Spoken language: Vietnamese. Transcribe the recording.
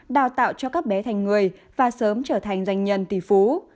đào tạo cho các bé thành người và sớm trở thành doanh nhân tỷ phú